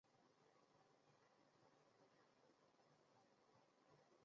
艾佛杰克生长于荷兰斯派克尼瑟。